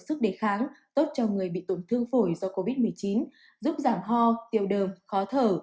sức đề kháng tốt cho người bị tổn thương phổi do covid một mươi chín giúp giảm ho tiêu đờm khó thở